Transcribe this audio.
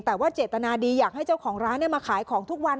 แต่ว่าเจตนาดีอยากให้เจ้าของร้านมาขายของทุกวัน